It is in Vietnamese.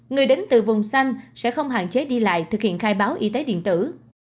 người đến từ vùng xanh sẽ không hạn chế đi lại thực hiện khai báo y tế điện tử